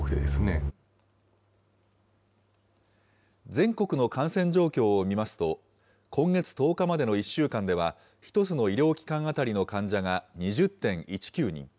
全国の感染状況を見ますと、今月１０日までの１週間では、１つの医療機関当たりの患者が２０．１９人。